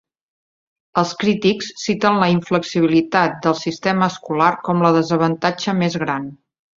Els crítics citen la inflexibilitat del sistema escolar com la desavantatge més gran.